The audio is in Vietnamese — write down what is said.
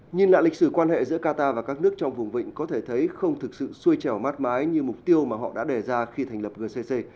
nhìn lại lịch sử quan hệ giữa qatar và các nước trong vùng vịnh có thể thấy không thực sự xuôi trèo mát mãi như mục tiêu mà họ đã đề ra khi thành lập gcc